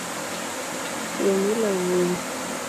Wemula wuoyi